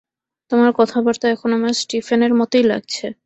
তোমার কথাবার্তা এখন আমার স্টিফেনের মতোই লাগছে।